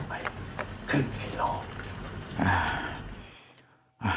ขึ้นให้รอ